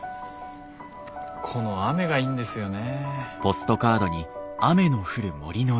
この雨がいいんですよね。